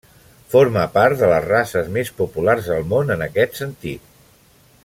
Forma part de les races més populars al món en aquest sentit.